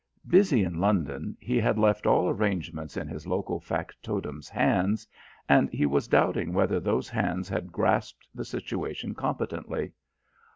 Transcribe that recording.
Busy in London, he had left all arrangements in his local factotum's hands, and he was doubting whether those hands had grasped the situation competently.